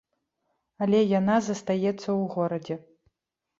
Але яна застаецца ў горадзе.